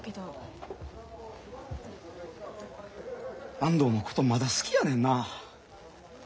安藤のことまだ好きやねんな。